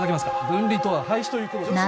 「分離」とは廃止ということですか？